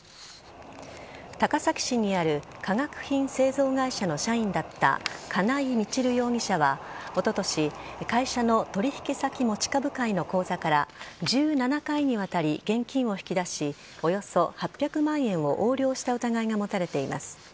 高崎市にある化学品製造会社の社員だった金井みちる容疑者はおととし会社の取引先持ち株会の口座から１７回にわたり現金を引き出しおよそ８００万円を横領した疑いが持たれています。